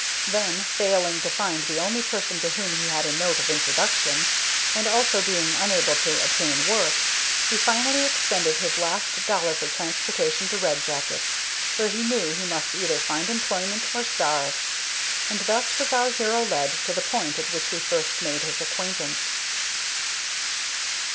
Then, failing to find the only person to whom he had a note of introduction, and also being unable to obtain work, he finally expended his last dollar for transportation to Red Jacket, where he knew he must either find employment or starve. And thus was our hero led to the point at which we first made his acquaintance.